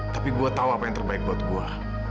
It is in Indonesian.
tapi gue tahu apa yang terbaik buat gue